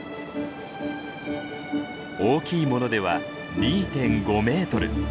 大きいものでは２．５メートル。